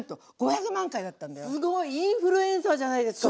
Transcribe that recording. すごい！インフルエンサーじゃないですか！